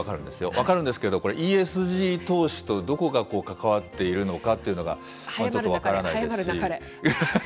分かるんですけど、これ、ＥＳＧ投資とどこが関わっているのかっていうのが、ちょっと分か早まるなかれ。